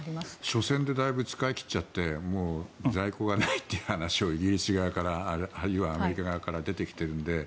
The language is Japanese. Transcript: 初戦でだいぶ使い切っちゃって在庫がないという話がイギリス側からあるいはアメリカ側から出てきているんで。